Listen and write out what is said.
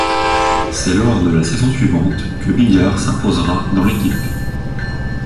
C'est lors de la saison suivante que Biggar s'imposera dans l'équipe.